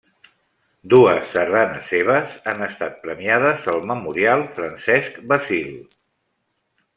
Dues sardanes seves han estat premiades al Memorial Francesc Basil.